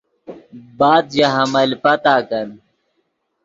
بعد ژے حمل پتاکن